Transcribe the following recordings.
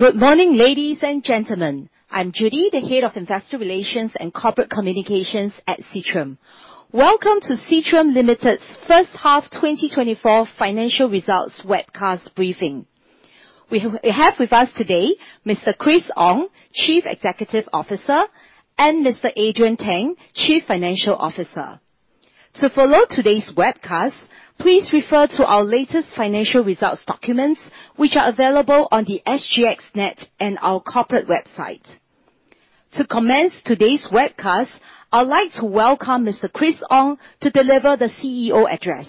Good morning, ladies and gentlemen. I'm Judy, the Head of Investor Relations and Corporate Communications at Seatrium. Welcome to Seatrium Limited's First Half 2024 Financial Results Webcast Briefing. We have with us today Mr. Chris Ong, Chief Executive Officer, and Mr. Adrian Teng, Chief Financial Officer. To follow today's webcast, please refer to our latest financial results documents, which are available on the SGXNET and our corporate website. To commence today's webcast, I'd like to welcome Mr. Chris Ong to deliver the CEO address.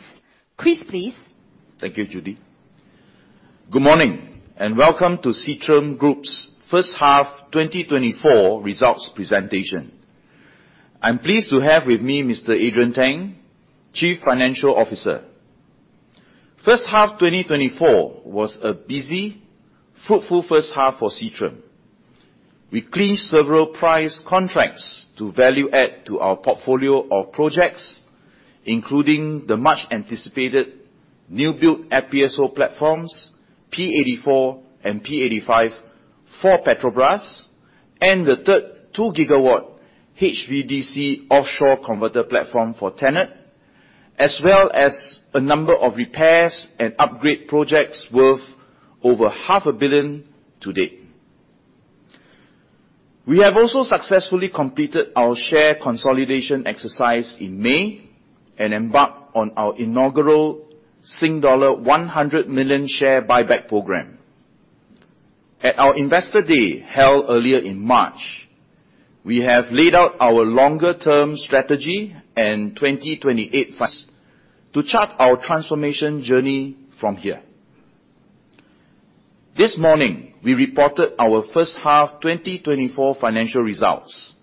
Chris, please. Thank you, Judy. Good morning, and welcome to Seatrium Group's First Half 2024 Results Presentation. I'm pleased to have with me Mr. Adrian Teng, Chief Financial Officer. First Half 2024 was a busy, fruitful first half for Seatrium. We clinched several prize contracts to value-add to our portfolio of projects, including the much-anticipated new-build FPSO platforms P-84 and P-85 for Petrobras, and the third 2-gigawatt HVDC offshore converter platform for TenneT, as well as a number of repairs and upgrade projects worth over 500 million to date. We have also successfully completed our share consolidation exercise in May and embarked on our inaugural S$100 million share buyback program. At our Investor Day held earlier in March, we have laid out our longer-term strategy and 2028 to chart our transformation journey from here. This morning, we reported our First Half 2024 financial results.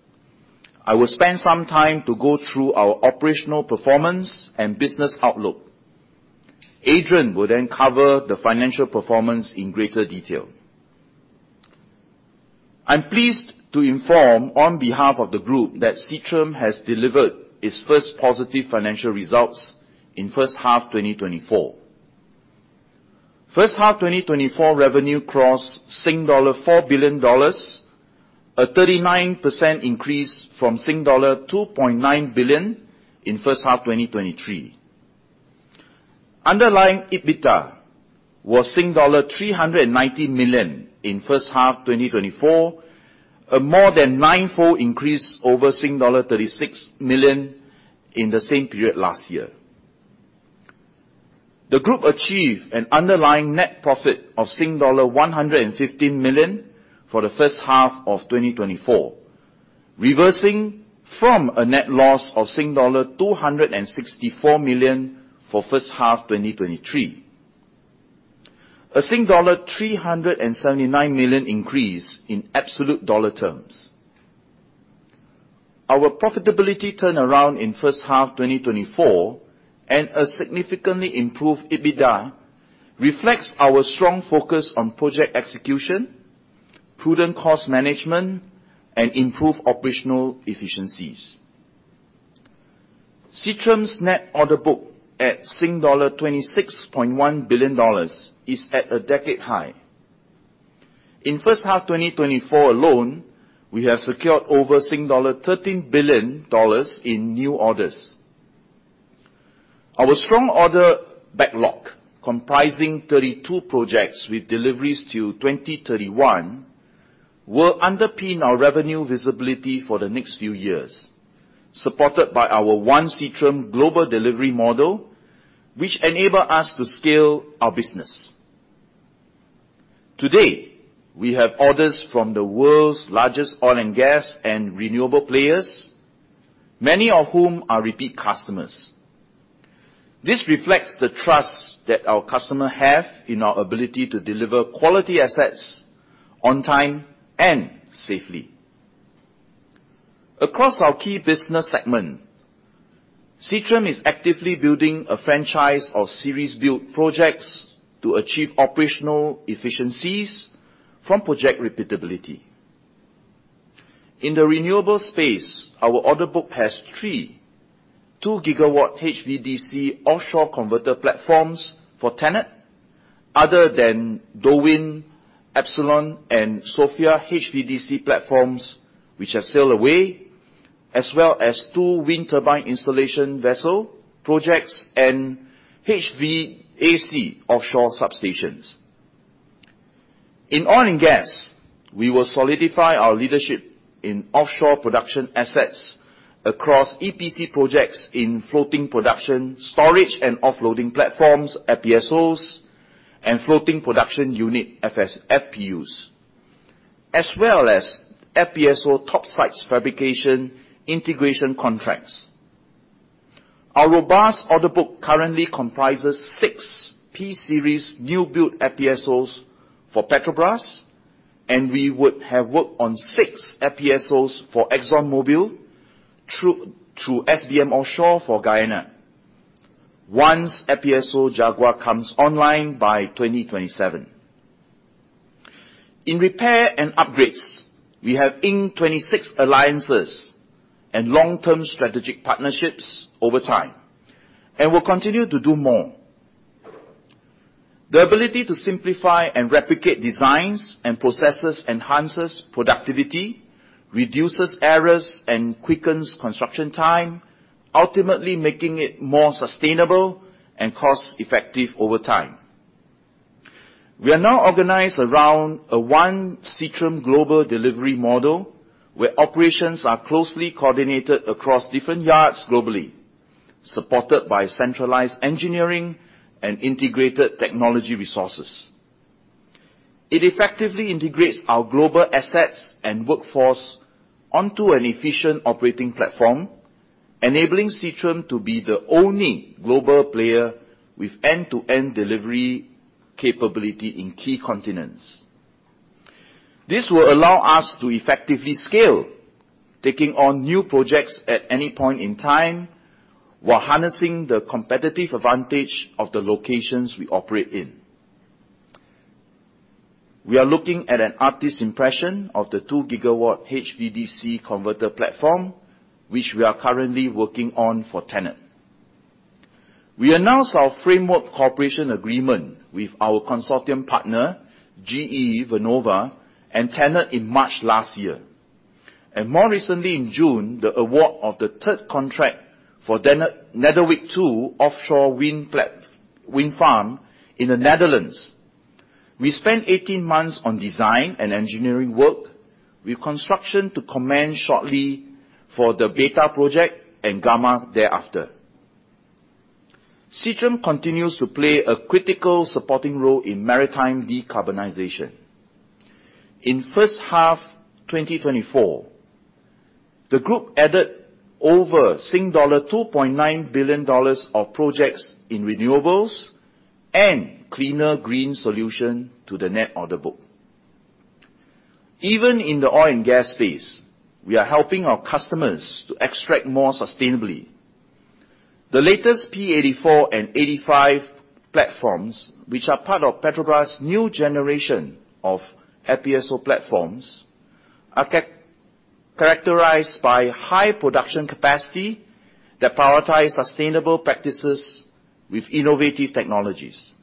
I will spend some time to go through our operational performance and business outlook. Adrian will then cover the financial performance in greater detail. I'm pleased to inform on behalf of the Group that Seatrium has delivered its first positive financial results in First Half 2024. First Half 2024 revenue crossed S$4 billion, a 39% increase from S$2.9 billion in First Half 2023. Underlying EBITDA was S$390 million in First Half 2024, a more than nine-fold increase over S$36 million in the same period last year. The Group achieved an underlying net profit of S$115 million for the First Half of 2024, reversing from a net loss of S$264 million for First Half 2023, a S$379 million increase in absolute dollar terms. Our profitability turnaround in First Half 2024 and a significantly improved EBITDA reflects our strong focus on project execution, prudent cost management, and improved operational efficiencies. Seatrium's net order book at S$26.1 billion is at a decade high. In First Half 2024 alone, we have secured over S$13 billion in new orders. Our strong order backlog, comprising 32 projects with deliveries till 2031, will underpin our revenue visibility for the next few years, supported by our One Seatrium Global Delivery Model, which enables us to scale our business. Today, we have orders from the world's largest oil and gas and renewable players, many of whom are repeat customers. This reflects the trust that our customers have in our ability to deliver quality assets on time and safely. Across our key business segments, Seatrium is actively building a franchise of series-build projects to achieve operational efficiencies from project repeatability. In the renewable space, our order book has three 2-gigawatt HVDC offshore converter platforms for TenneT, other than DolWin epsilon, and Sofia HVDC platforms, which have sailed away, as well as two wind turbine installation vessel projects and HVAC offshore substations. In oil and gas, we will solidify our leadership in offshore production assets across EPC projects in floating production storage and offloading platforms (FPSOs) and floating production unit (FPUs), as well as FPSO topsides fabrication integration contracts. Our robust order book currently comprises six P-Series new-build FPSOs for Petrobras, and we would have worked on six FPSOs for ExxonMobil through SBM Offshore for Guyana, once FPSO Jaguar comes online by 2027. In repair and upgrades, we have inked 26 alliances and long-term strategic partnerships over time, and will continue to do more. The ability to simplify and replicate designs and processes enhances productivity, reduces errors, and quickens construction time, ultimately making it more sustainable and cost-effective over time. We are now organized around a One Seatrium Global Delivery Model, where operations are closely coordinated across different yards globally, supported by centralized engineering and integrated technology resources. It effectively integrates our global assets and workforce onto an efficient operating platform, enabling Seatrium to be the only global player with end-to-end delivery capability in key continents. This will allow us to effectively scale, taking on new projects at any point in time while harnessing the competitive advantage of the locations we operate in. We are looking at an artist's impression of the 2-gigawatt HVDC converter platform, which we are currently working on for TenneT. We announced our framework cooperation agreement with our consortium partner, GE Vernova, and TenneT in March last year, and more recently in June, the award of the third contract for Nederwiek 2 Offshore Wind Farm in the Netherlands. We spent 18 months on design and engineering work, with construction to commence shortly for the Beta project and Gamma thereafter. Seatrium continues to play a critical supporting role in maritime decarbonization. In First Half 2024, the Group added over 2.9 billion dollars of projects in renewables and cleaner green solutions to the net order book. Even in the oil and gas space, we are helping our customers to extract more sustainably. The latest P-84 and P-85 platforms, which are part of Petrobras' new generation of FPSO platforms, are characterized by high production capacity that prioritize sustainable practices with innovative technologies.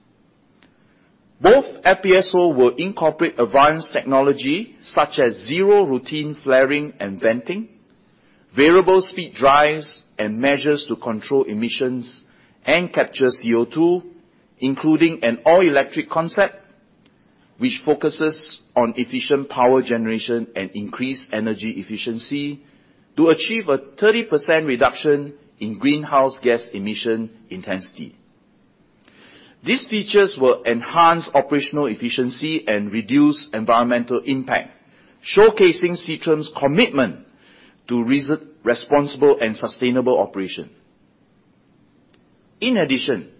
Both FPSO will incorporate advanced technology such as zero routine flaring and venting, variable speed drives, and measures to control emissions and capture CO2, including an all-electric concept which focuses on efficient power generation and increased energy efficiency to achieve a 30% reduction in greenhouse gas emission intensity. These features will enhance operational efficiency and reduce environmental impact, showcasing Seatrium's commitment to responsible and sustainable operation. In addition,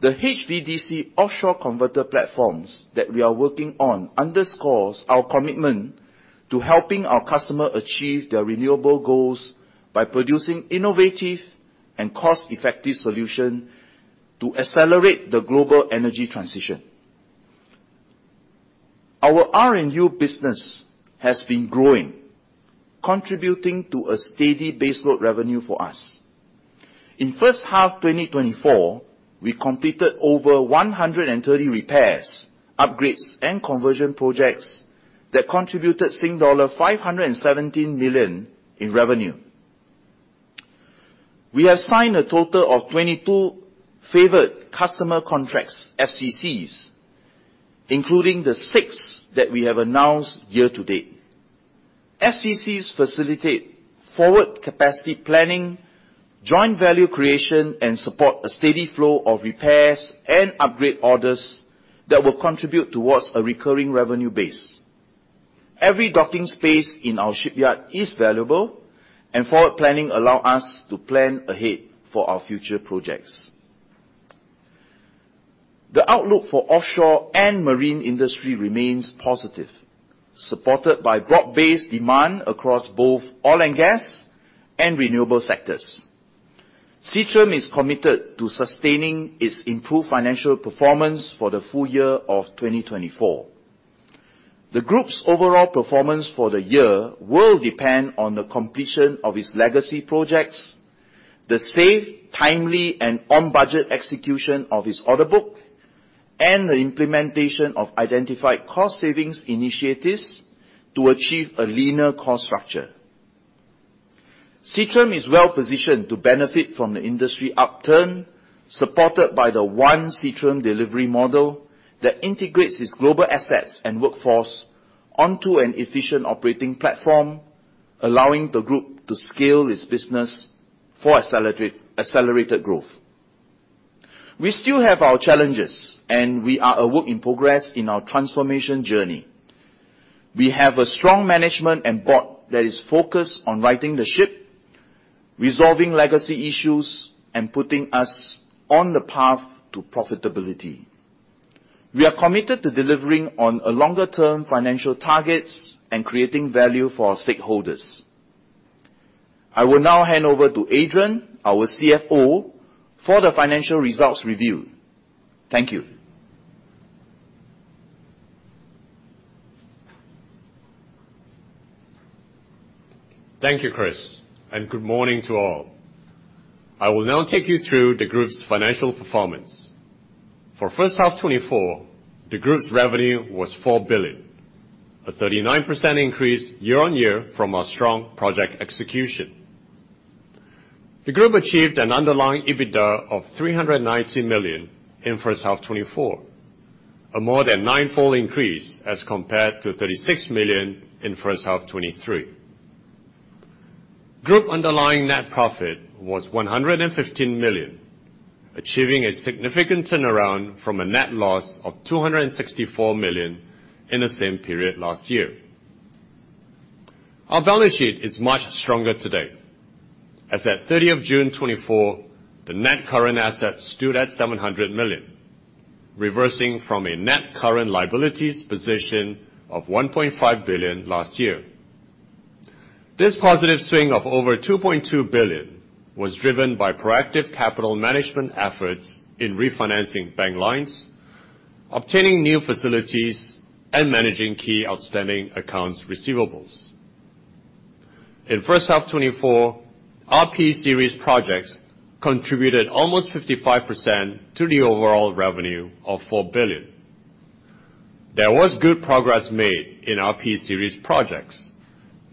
the HVDC offshore converter platforms that we are working on underscore our commitment to helping our customers achieve their renewable goals by producing innovative and cost-effective solutions to accelerate the global energy transition. Our R&U business has been growing, contributing to a steady baseload revenue for us. In First Half 2024, we completed over 130 repairs, upgrades, and conversion projects that contributed S$517 million in revenue. We have signed a total of 22 Favoured Customer Contracts (FCCs), including the 6 that we have announced year to date. FCCs facilitate forward capacity planning, joint value creation, and support a steady flow of repairs and upgrade orders that will contribute towards a recurring revenue base. Every docking space in our shipyard is valuable, and forward planning allows us to plan ahead for our future projects. The outlook for offshore and marine industry remains positive, supported by broad-based demand across both oil and gas and renewable sectors. Seatrium is committed to sustaining its improved financial performance for the full year of 2024. The Group's overall performance for the year will depend on the completion of its legacy projects, the safe, timely, and on-budget execution of its order book, and the implementation of identified cost-savings initiatives to achieve a leaner cost structure. Seatrium is well-positioned to benefit from the industry upturn, supported by the One Seatrium Delivery Model that integrates its global assets and workforce onto an efficient operating platform, allowing the Group to scale its business for accelerated growth. We still have our challenges, and we are a work in progress in our transformation journey. We have a strong management and board that is focused on righting the ship, resolving legacy issues, and putting us on the path to profitability. We are committed to delivering on our longer-term financial targets and creating value for our stakeholders. I will now hand over to Adrian, our CFO, for the financial results review. Thank you. Thank you, Chris, and good morning to all. I will now take you through the Group's financial performance. For First Half 2024, the Group's revenue was 4 billion, a 39% increase year-on-year from our strong project execution. The Group achieved an underlying EBITDA of 390 million in First Half 2024, a more than nine-fold increase as compared to 36 million in First Half 2023. The Group's underlying net profit was 115 million, achieving a significant turnaround from a net loss of 264 million in the same period last year. Our balance sheet is much stronger today, as at 30 June 2024, the net current assets stood at 700 million, reversing from a net current liabilities position of 1.5 billion last year. This positive swing of over 2.2 billion was driven by proactive capital management efforts in refinancing bank lines, obtaining new facilities, and managing key outstanding accounts receivables. In First Half 2024, our P-Series projects contributed almost 55% to the overall revenue of 4 billion. There was good progress made in our P-Series projects,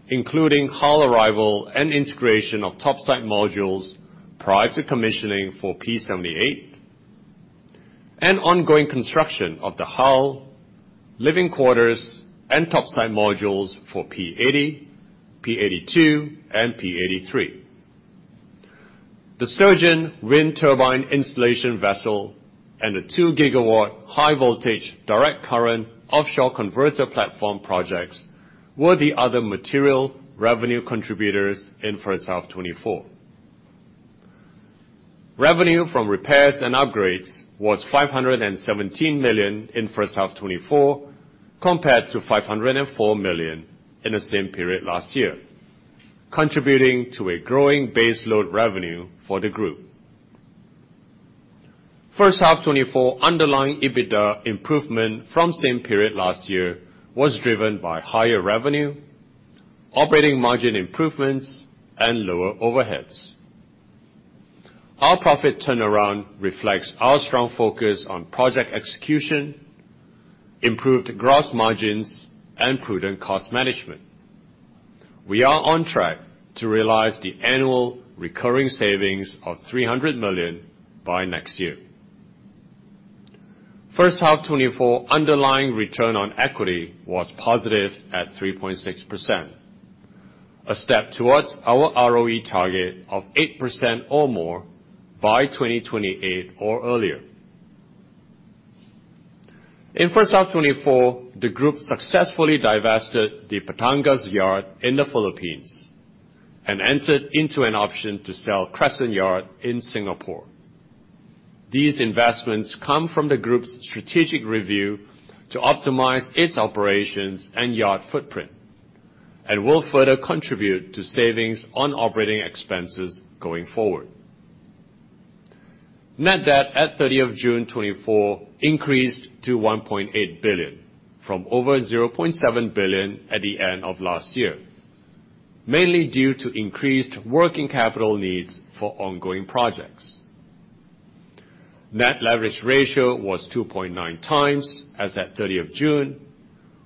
including hull arrival and integration of topsides modules prior to commissioning for P-78, and ongoing construction of the hull, living quarters, and topsides modules for P-80, P-82, and P-83. The Sturgeon wind turbine installation vessel and the 2-gigawatt high-voltage direct current offshore converter platform projects were the other material revenue contributors in First Half 2024. Revenue from repairs and upgrades was 517 million in First Half 2024, compared to 504 million in the same period last year, contributing to a growing baseload revenue for the Group. First Half 2024 underlying EBITDA improvement from the same period last year was driven by higher revenue, operating margin improvements, and lower overheads. Our profit turnaround reflects our strong focus on project execution, improved gross margins, and prudent cost management. We are on track to realize the annual recurring savings of S$300 million by next year. First Half 2024 underlying return on equity was positive at 3.6%, a step towards our ROE target of 8% or more by 2028 or earlier. In First Half 2024, the Group successfully divested the Batangas Yard in the Philippines and entered into an option to sell Crescent Yard in Singapore. These investments come from the Group's strategic review to optimize its operations and yard footprint, and will further contribute to savings on operating expenses going forward. Net debt at 30 June 2024 increased to S$1.8 billion, from over S$0.7 billion at the end of last year, mainly due to increased working capital needs for ongoing projects. Net leverage ratio was 2.9 times, as at 30 June,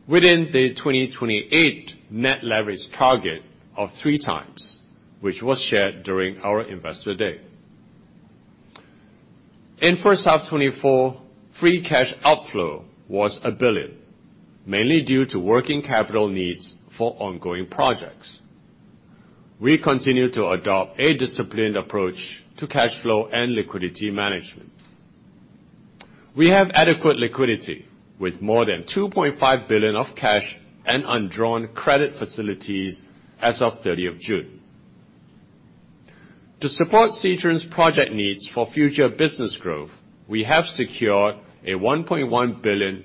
within the 2028 net leverage target of 3 times, which was shared during our Investor Day. In first half 2024, free cash outflow was 1 billion, mainly due to working capital needs for ongoing projects. We continue to adopt a disciplined approach to cash flow and liquidity management. We have adequate liquidity, with more than 2.5 billion of cash and undrawn credit facilities as of 30 June. To support Seatrium's project needs for future business growth, we have secured a 1.1 billion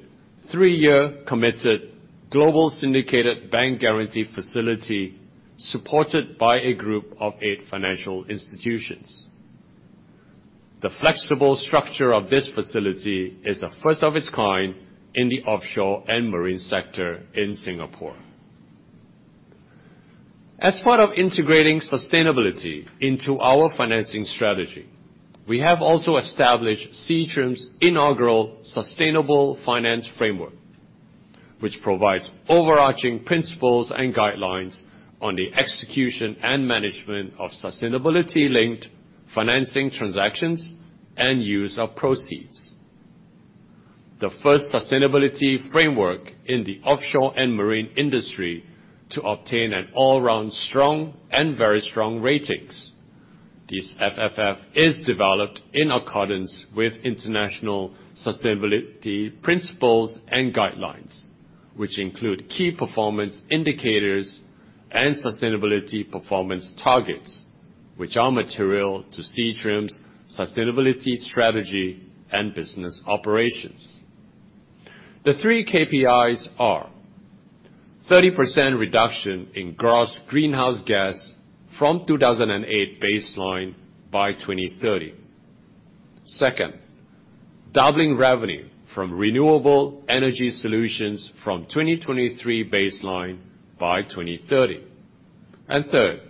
three-year committed Global Syndicated Bank Guarantee facility supported by a group of eight financial institutions. The flexible structure of this facility is a first-of-its-kind in the offshore and marine sector in Singapore. As part of integrating sustainability into our financing strategy, we have also established Seatrium's inaugural Sustainable Finance Framework, which provides overarching principles and guidelines on the execution and management of sustainability-linked financing transactions and use of proceeds. The first sustainability framework in the offshore and marine industry to obtain an all-round strong and very strong ratings. This SFF is developed in accordance with international sustainability principles and guidelines, which include key performance indicators and sustainability performance targets, which are material to Seatrium's sustainability strategy and business operations. The three KPIs are: 30% reduction in gross greenhouse gas from 2008 baseline by 2030; second, doubling revenue from renewable energy solutions from 2023 baseline by 2030; and third,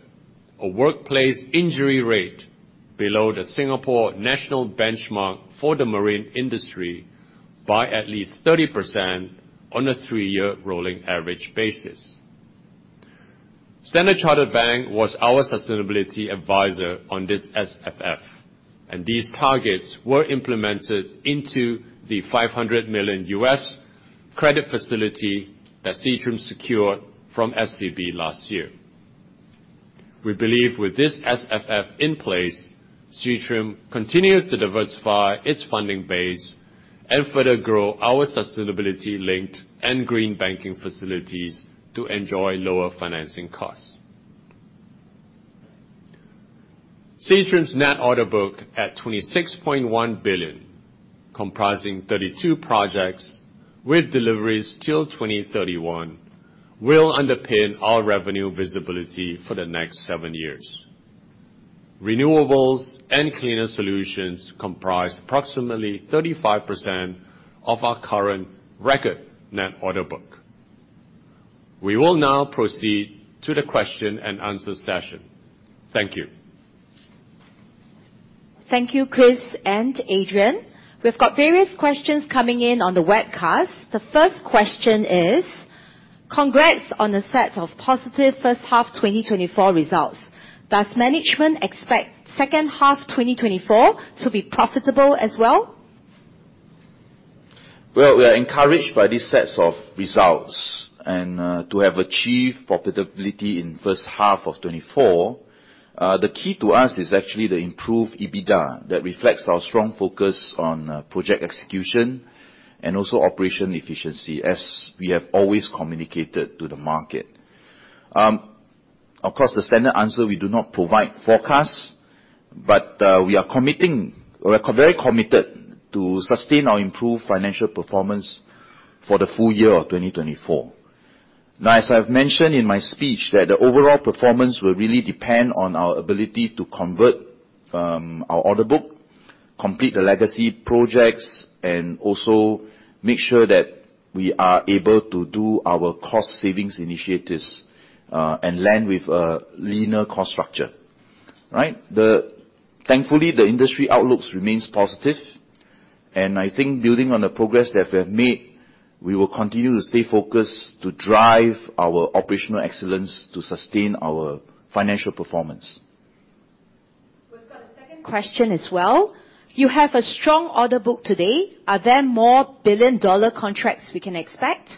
a workplace injury rate below the Singapore national benchmark for the marine industry by at least 30% on a three-year rolling average basis. Standard Chartered Bank was our sustainability advisor on this SFF, and these targets were implemented into the 500 million U.S. credit facility that Seatrium secured from SCB last year. We believe with this SFF in place, Seatrium continues to diversify its funding base and further grow our sustainability-linked and green banking facilities to enjoy lower financing costs. Seatrium's net order book at 26.1 billion, comprising 32 projects with deliveries till 2031, will underpin our revenue visibility for the next seven years. Renewables and cleaner solutions comprise approximately 35% of our current record net order book. We will now proceed to the question and answer session. Thank you. Thank you, Chris and Adrian. We've got various questions coming in on the webcast. The first question is, "Congrats on a set of positive First Half 2024 results. Does management expect Second Half 2024 to be profitable as well?" Well, we are encouraged by these sets of results, and to have achieved profitability in First Half of 2024, the key to us is actually the improved EBITDA that reflects our strong focus on project execution and also operational efficiency, as we have always communicated to the market. Of course, the standard answer is we do not provide forecasts, but we are very committed to sustain or improve financial performance for the full year of 2024. Now, as I've mentioned in my speech, the overall performance will really depend on our ability to convert our order book, complete the legacy projects, and also make sure that we are able to do our cost savings initiatives and land with a leaner cost structure. Thankfully, the industry outlook remains positive, and I think building on the progress that we have made, we will continue to stay focused to drive our operational excellence to sustain our financial performance. We've got a second question as well. You have a strong order book today. Are there more billion-dollar contracts we can expect?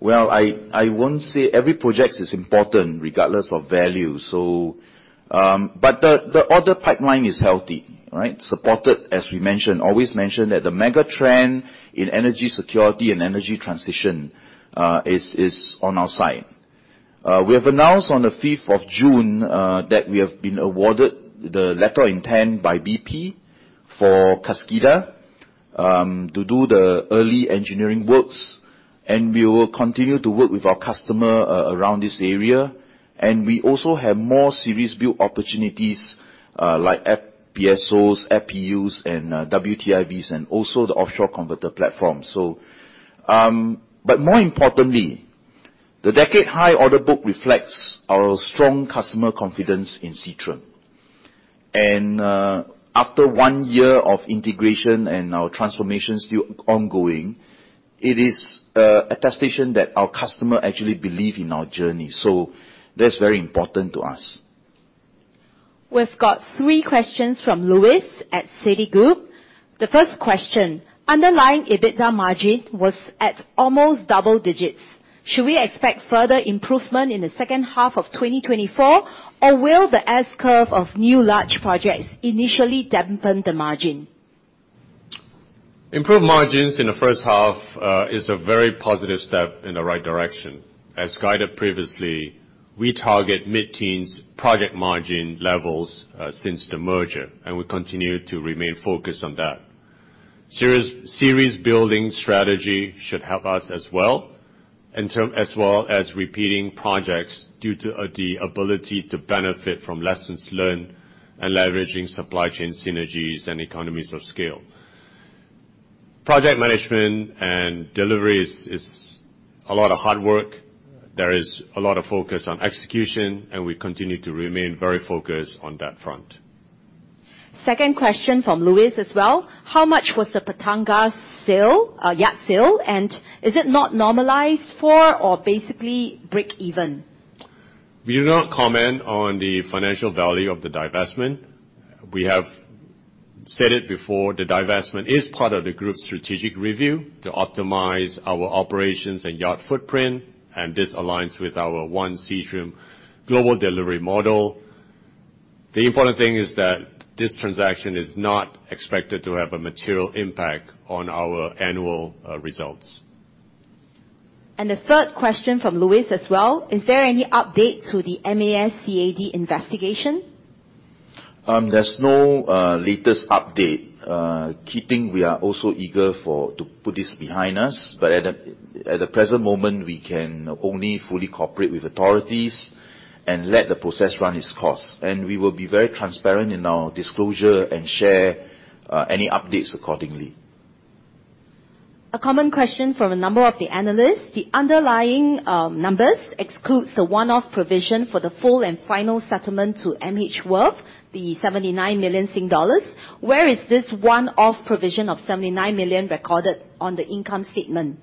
Well, I won't say every project is important regardless of value, but the order pipeline is healthy, supported, as we mentioned. Always mention that the megatrend in energy security and energy transition is on our side. We have announced on the 5th of June that we have been awarded the Letter of Intent by BP for Kaskida to do the early engineering works, and we will continue to work with our customers around this area. And we also have more series-build opportunities like FPSOs, FPUs, and WTIVs, and also the offshore converter platforms. More importantly, the decade-high order book reflects our strong customer confidence in Seatrium. After one year of integration and our transformation still ongoing, it is an attestation that our customers actually believe in our journey. That's very important to us. We've got three questions from Luis at Citigroup. The first question: Underlying EBITDA margin was at almost double digits. Should we expect further improvement in the second half of 2024, or will the S-curve of new large projects initially dampen the margin? Improved margins in the first half is a very positive step in the right direction. As guided previously, we target mid-teens project margin levels since the merger, and we continue to remain focused on that. Series-building strategy should help us as well, as well as repeating projects due to the ability to benefit from lessons learned and leveraging supply chain synergies and economies of scale. Project management and delivery is a lot of hard work. There is a lot of focus on execution, and we continue to remain very focused on that front. Second question from Luis as well. How much was the Batangas yard sale, and is it not normalized for or basically break-even? We do not comment on the financial value of the divestment. We have said it before, the divestment is part of the Group's strategic review to optimize our operations and yard footprint, and this aligns with our One Seatrium Global Delivery Model. The important thing is that this transaction is not expected to have a material impact on our annual results. The third question from Luis as well. Is there any update to the MAS-CAD investigation? There's no latest update. Knowing we are also eager to put this behind us, but at the present moment, we can only fully cooperate with authorities and let the process run its course. We will be very transparent in our disclosure and share any updates accordingly. A common question from a number of the analysts. The underlying numbers exclude the one-off provision for the full and final settlement to MHWirth, the 79 million Sing dollars. Where is this one-off provision of SGD 79 million recorded on the income statement?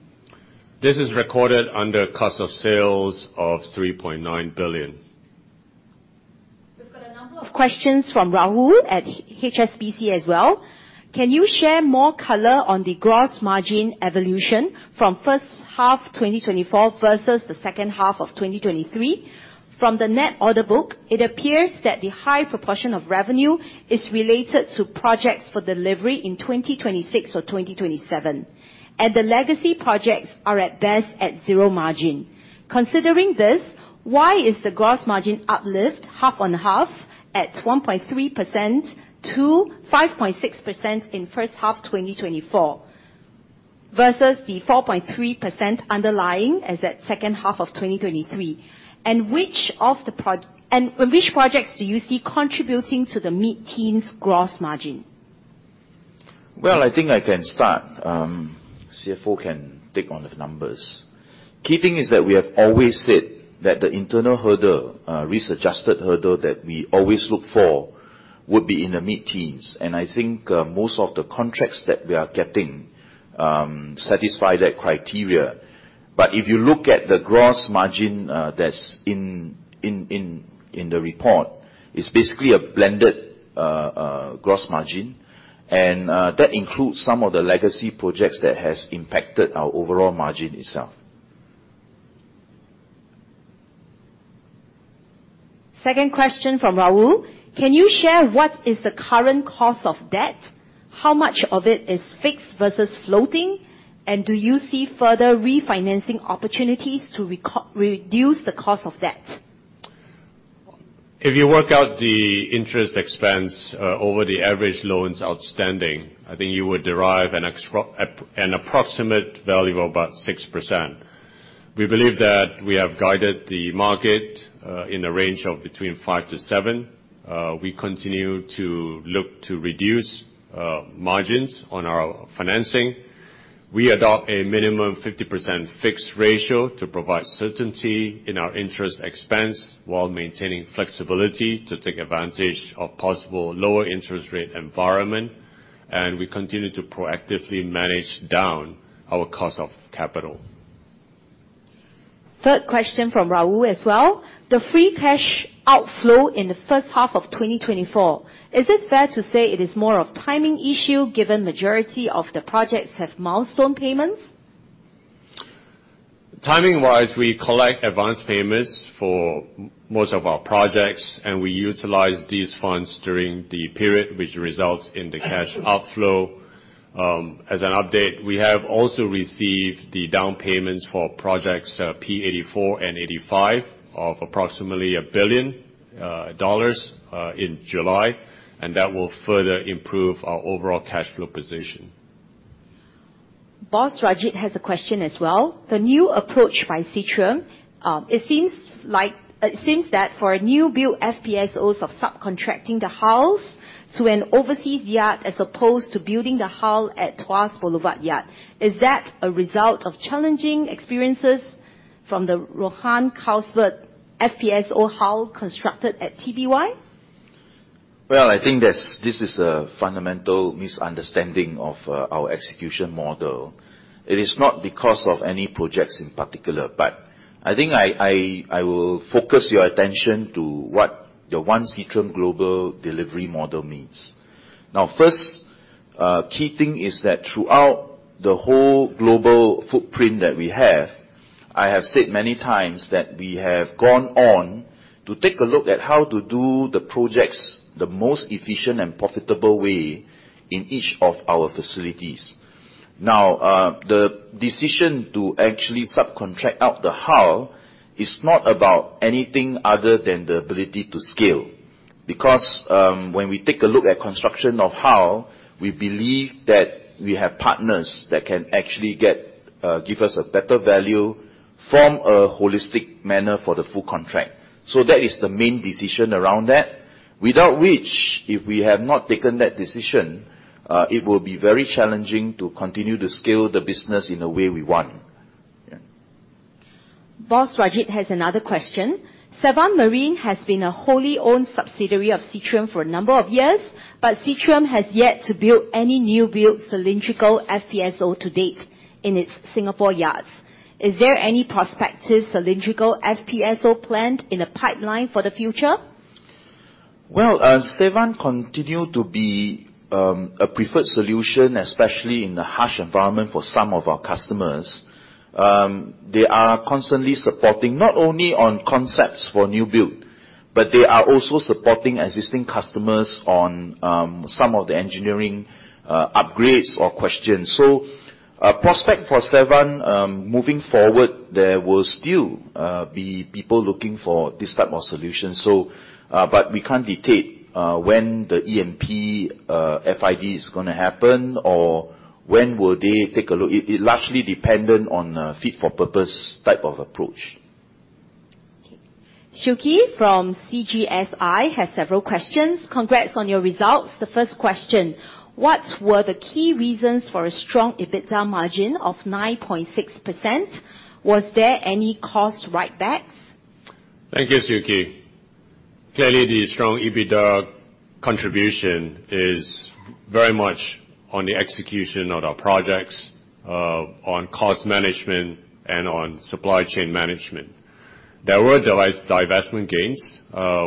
This is recorded under cost of sales of 3.9 billion. We've got a number of questions from Rahul at HSBC as well. Can you share more color on the gross margin evolution from first half 2024 versus the second half of 2023? From the net order book, it appears that the high proportion of revenue is related to projects for delivery in 2026 or 2027, and the legacy projects are at best at zero margin. Considering this, why is the gross margin uplift half on half at 1.3% to 5.6% in First Half 2024 versus the 4.3% underlying as at Second Half of 2023? And which projects do you see contributing to the mid-teens gross margin? Well, I think I can start. CFO can take on the numbers. Key thing is that we have always said that the internal hurdle, risk-adjusted hurdle that we always look for, would be in the mid-teens. And I think most of the contracts that we are getting satisfy that criteria. But if you look at the gross margin that's in the report, it's basically a blended gross margin, and that includes some of the legacy projects that have impacted our overall margin itself. Second question from Rahul. Can you share what is the current cost of debt? How much of it is fixed versus floating, and do you see further refinancing opportunities to reduce the cost of debt? If you work out the interest expense over the average loans outstanding, I think you would derive an approximate value of about 6%. We believe that we have guided the market in a range of between 5%-7%. We continue to look to reduce margins on our financing. We adopt a minimum 50% fixed ratio to provide certainty in our interest expense while maintaining flexibility to take advantage of a possible lower interest rate environment, and we continue to proactively manage down our cost of capital. Third question from Rahul as well. The free cash outflow in the first half of 2024, is it fair to say it is more of a timing issue given the majority of the projects have milestone payments? Timing-wise, we collect advance payments for most of our projects, and we utilize these funds during the period, which results in the cash outflow. As an update, we have also received the down payments for projects P-84 and P-85 of approximately 1 billion dollars in July, and that will further improve our overall cash flow position. [Boss] Rajiv has a question as well. The new approach by Seatrium, it seems that for new-build FPSOs of subcontracting the hulls to an overseas yard as opposed to building the hull at Tuas Boulevard Yard. Is that a result of challenging experiences from the Johan Castberg FPSO hull constructed at TBY? Well, I think this is a fundamental misunderstanding of our execution model. It is not because of any projects in particular, but I think I will focus your attention to what the One Seatrium Global Delivery Model means. Now, first, the key thing is that throughout the whole global footprint that we have, I have said many times that we have gone on to take a look at how to do the projects the most efficient and profitable way in each of our facilities. Now, the decision to actually subcontract out the hull is not about anything other than the ability to scale. Because when we take a look at the construction of the hull, we believe that we have partners that can actually give us a better value from a holistic manner for the full contract. So that is the main decision around that. Without which, if we have not taken that decision, it will be very challenging to continue to scale the business in the way we want. [Boss] Rajiv has another question. Sevan Marine has been a wholly owned subsidiary of Seatrium for a number of years, but Seatrium has yet to build any new-build cylindrical FPSO to date in its Singapore yards. Is there any prospective cylindrical FPSO planned in the pipeline for the future? Well, Sevan continues to be a preferred solution, especially in the harsh environment for some of our customers. They are constantly supporting not only on concepts for new-build, but they are also supporting existing customers on some of the engineering upgrades or questions. So prospects for Sevan moving forward, there will still be people looking for this type of solution. But we can't dictate when the EMP FID is going to happen or when will they take a look. It's largely dependent on a fit-for-purpose type of approach. Siew Khee from CGSI has several questions. Congrats on your results. The first question: What were the key reasons for a strong EBITDA margin of 9.6%? Was there any cost write-backs? Thank you, Siew Khee. Clearly, the strong EBITDA contribution is very much on the execution of our projects, on cost management, and on supply chain management. There were divestment gains,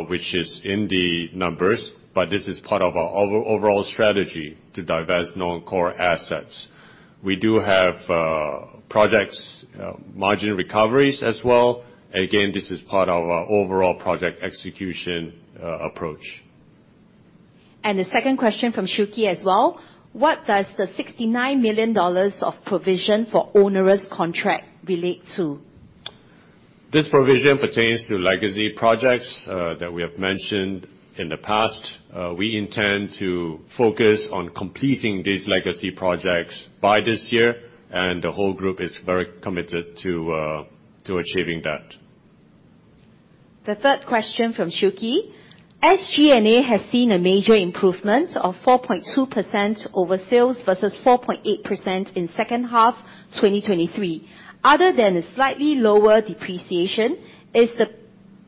which is in the numbers, but this is part of our overall strategy to divest non-core assets. We do have project margin recoveries as well. Again, this is part of our overall project execution approach. The second question from Siew Khee as well. What does the 69 million dollars of provision for owner's contract relate to? This provision pertains to legacy projects that we have mentioned in the past. We intend to focus on completing these legacy projects by this year, and the whole group is very committed to achieving that. The third question from Siew Khee. SG&A has seen a major improvement of 4.2% over sales versus 4.8% in Second Half 2023. Other than a slightly lower depreciation, is the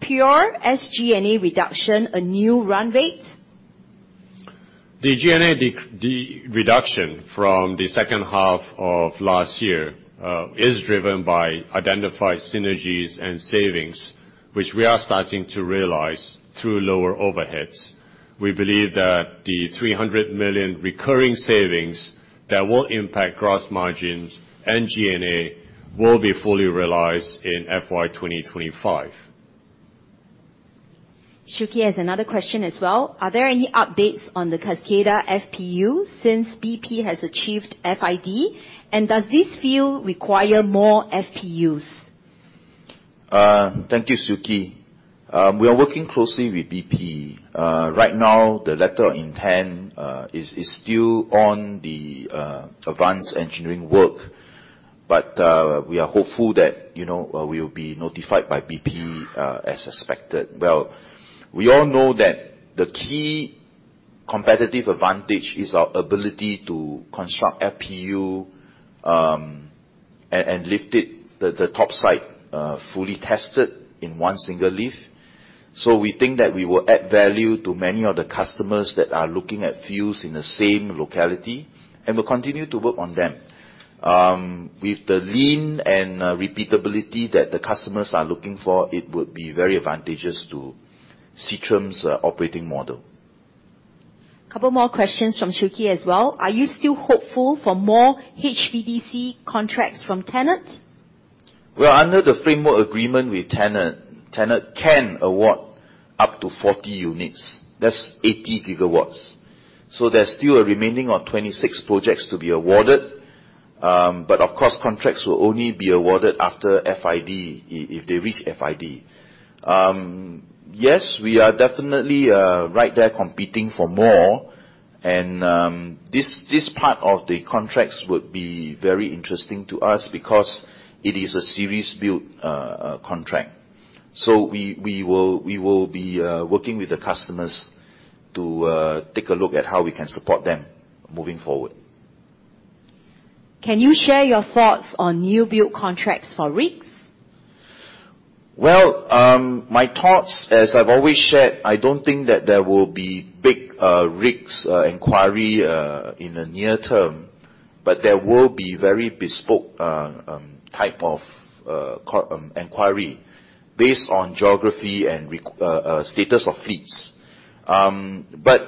pure SG&A reduction a new run rate? The G&A reduction from the Second Half of last year is driven by identified synergies and savings, which we are starting to realize through lower overheads. We believe that the 300 million recurring savings that will impact gross margins and G&A will be fully realized in FY 2025. Siew Khee has another question as well. Are there any updates on the Kaskida FPU since BP has achieved FID? And does this field require more FPUs? Thank you, Siew Khee. We are working closely with BP. Right now, the letter of intent is still on the advanced engineering work, but we are hopeful that we will be notified by BP as expected. Well, we all know that the key competitive advantage is our ability to construct FPU and lift the topside fully tested in one single lift. So we think that we will add value to many of the customers that are looking at FPUs in the same locality and will continue to work on them. With the lean and repeatability that the customers are looking for, it would be very advantageous to Seatrium's operating model. A couple more questions from Siew Khee as well. Are you still hopeful for more HVDC contracts from TenneT? Well, under the framework agreement with TenneT, TenneT can award up to 40 units. That's 80 gigawatts. So there's still a remaining of 26 projects to be awarded. But of course, contracts will only be awarded after FID, if they reach FID. Yes, we are definitely right there competing for more. And this part of the contracts would be very interesting to us because it is a series-build contract. So we will be working with the customers to take a look at how we can support them moving forward. Can you share your thoughts on new-build contracts for rigs? Well, my thoughts, as I've always shared, I don't think that there will be big rigs inquiry in the near term, but there will be very bespoke type of inquiry based on geography and status of fleets. But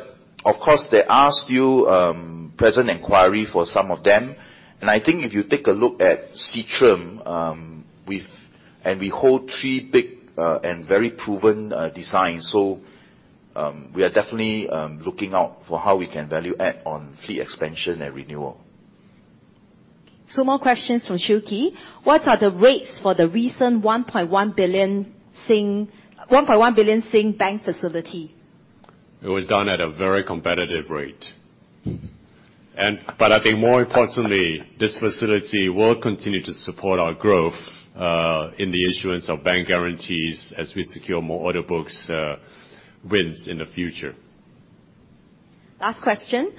of course, there are still present inquiry for some of them. And I think if you take a look at Seatrium, and we hold three big and very proven designs. So we are definitely looking out for how we can value add on fleet expansion and renewal. Two more questions from Siew Khee. What are the rates for the recent 1.1 billion bank facility? It was done at a very competitive rate. But I think more importantly, this facility will continue to support our growth in the issuance of bank guarantees as we secure more order books wins in the future. Last question.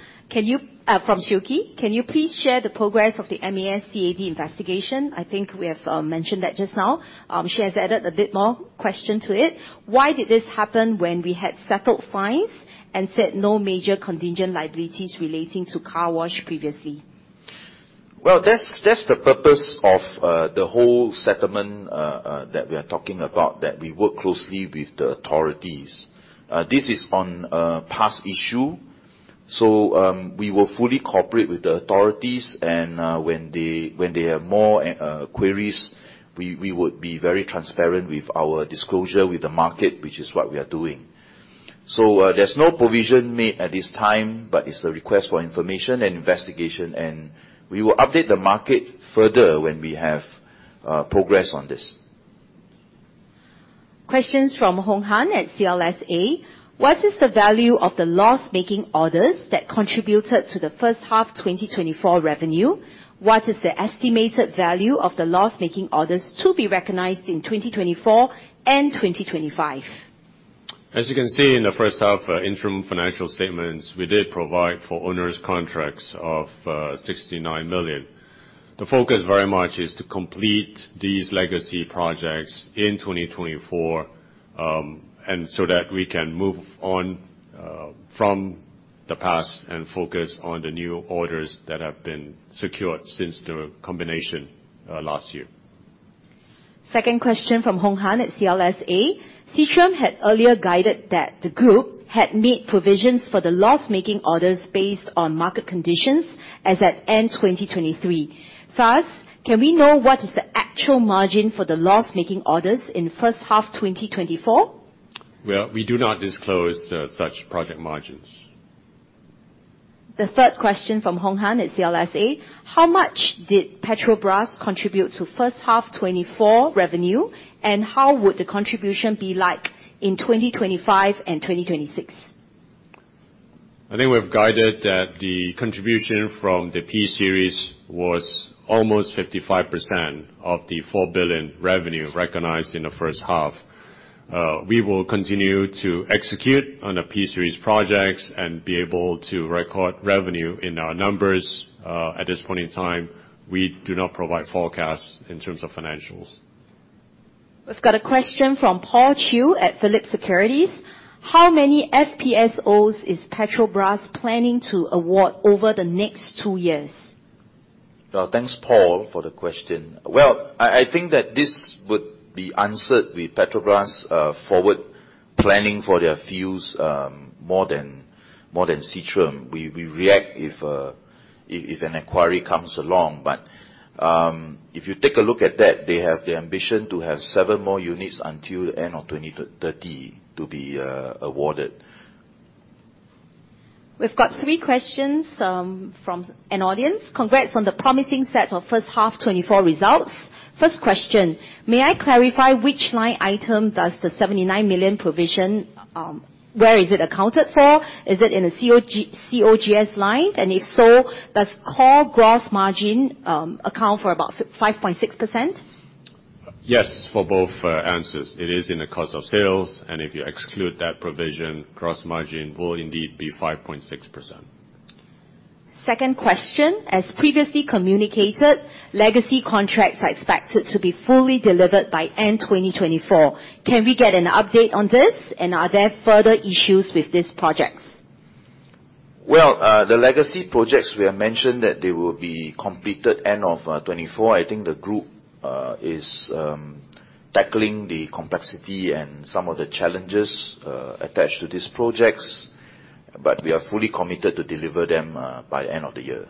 From Siew Khee, can you please share the progress of the MAS CAD investigation? I think we have mentioned that just now. She has added a bit more question to it. Why did this happen when we had settled fines and said no major contingent liabilities relating to car wash previously? Well, that's the purpose of the whole settlement that we are talking about, that we work closely with the authorities. This is on a past issue. So we will fully cooperate with the authorities, and when they have more queries, we would be very transparent with our disclosure with the market, which is what we are doing. So there's no provision made at this time, but it's a request for information and investigation, and we will update the market further when we have progress on this. Questions from Low Horng Han at CLSA. What is the value of the loss-making orders that contributed to the First Half 2024 revenue? What is the estimated value of the loss-making orders to be recognized in 2024 and 2025? As you can see in the First Half interim financial statements, we did provide for owner's contracts of 69 million. The focus very much is to complete these legacy projects in 2024 so that we can move on from the past and focus on the new orders that have been secured since the combination last year. Second question from Low Horng Han at CLSA. Seatrium had earlier guided that the group had made provisions for the loss-making orders based on market conditions as at end 2023. Thus, can we know what is the actual margin for the loss-making orders in First Half 2024? Well, we do not disclose such project margins. The third question from Low Horng Han at CLSA. How much did Petrobras contribute to first half 2024 revenue, and how would the contribution be like in 2025 and 2026? I think we have guided that the contribution from the P-Series was almost 55% of the S$4 billion revenue recognized in the first half. We will continue to execute on the P-Series projects and be able to record revenue in our numbers. At this point in time, we do not provide forecasts in terms of financials. We've got a question from Paul Chew at Phillip Securities. How many FPSOs is Petrobras planning to award over the next two years? Thanks, Paul, for the question. Well, I think that this would be answered with Petrobras' forward planning for their fuels more than Seatrium. We react if an inquiry comes along. But if you take a look at that, they have the ambition to have 7 more units until the end of 2030 to be awarded. We've got 3 questions from an audience. Congrats on the promising set of First Half 2024 results. First question. May I clarify which line item does the 79 million provision? Where is it accounted for? Is it in the COGS line? And if so, does core gross margin account for about 5.6%? Yes, for both answers. It is in the cost of sales, and if you exclude that provision, gross margin will indeed be 5.6%. Second question. As previously communicated, legacy contracts are expected to be fully delivered by end 2024. Can we get an update on this, and are there further issues with these projects? Well, the legacy projects we have mentioned that they will be completed end of 2024. I think the group is tackling the complexity and some of the challenges attached to these projects, but we are fully committed to deliver them by the end of the year.